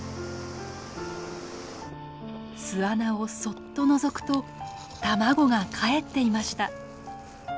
巣穴をそっとのぞくと卵がかえっていました。